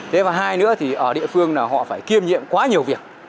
thế và hai nữa thì ở địa phương là họ phải kiêm nhiệm quá nhiều việc